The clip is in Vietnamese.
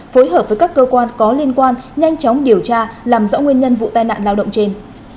phối hợp với các cơ quan có liên quan nhanh chóng điều tra làm rõ nguyên nhân vụ tai nạn lao động trên